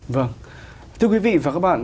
vâng thưa quý vị và các bạn